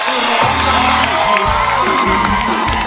สีหน้าร้องได้หรือว่าร้องผิดครับ